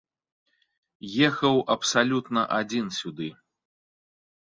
Ехаў абсалютна адзін сюды.